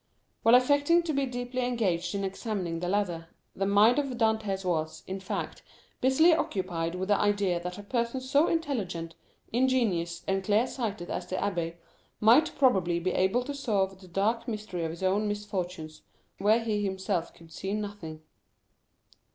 While affecting to be deeply engaged in examining the ladder, the mind of Dantès was, in fact, busily occupied by the idea that a person so intelligent, ingenious, and clear sighted as the abbé might probably be able to solve the dark mystery of his own misfortunes, where he himself could see nothing.